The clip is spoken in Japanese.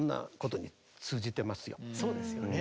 そうですよね。